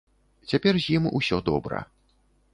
Цяпер з ім усё добра.